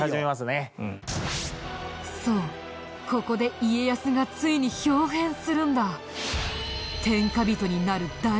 そうここで家康がついに豹変するんだ。